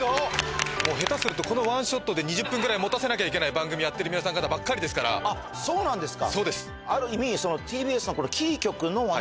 もう下手するとこのワンショットで２０分ぐらいもたせなきゃいけない番組やってる皆さん方ばっかりですからあっそうなんですか？